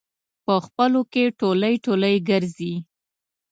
په خپلو کې ټولی ټولی ګرځي.